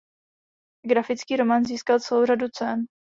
Grafický román získal celou řadu cen.